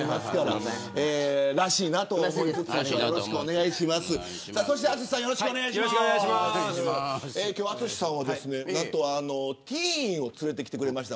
そして淳さんはなんと今日ティーンを連れてきてくれました。